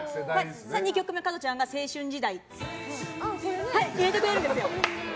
２曲目、加トちゃんが「青春時代」を入れてくれるんですよ。